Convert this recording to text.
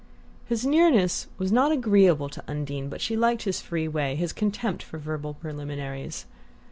His nearness was not agreeable to Undine, but she liked his free way, his contempt for verbal preliminaries.